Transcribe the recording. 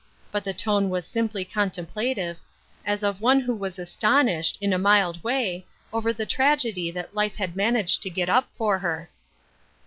But the tone was oimply contemplative, as of one who was aston ished, in a mild way, over the tragedy that life had managed to get up for her.